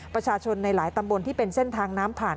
ประชาชนในหลายตำบลที่เป็นเส้นทางน้ำผ่าน